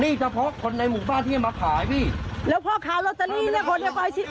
นี่เฉพาะคนในหมู่บ้านที่เนี้ยมาขายพี่แล้วพ่อขาลอสเตอรี่เนี้ยคนไหนปล่อยชิม